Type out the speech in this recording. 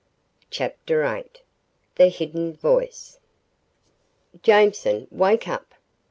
CHAPTER VIII THE HIDDEN VOICE "Jameson wake up!"